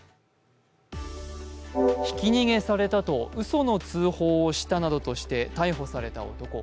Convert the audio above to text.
ひき逃げされたとうその通報をしたなどとして逮捕された男。